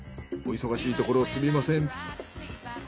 お忙しいところすみません。